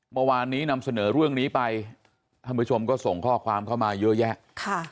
เมื่อวานนี้นำเสนอเรื่องนี้ไปท่านผู้ชมก็ส่งข้อความเข้ามาเยอะแยะค่ะ